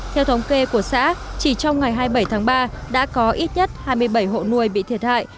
theo thống kê của xã chỉ trong ngày hai mươi bảy tháng ba đã có ít nhất hai mươi bảy hộ nuôi bị thiệt hại